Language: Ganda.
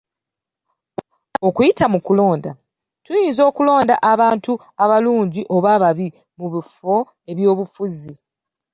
Okuyita mu kulonda, Tuyinza okulonda abantu abalungi oba ababi mu bifo by'obuyinza.